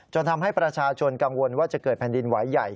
ทำให้ประชาชนกังวลว่าจะเกิดแผ่นดินไหวใหญ่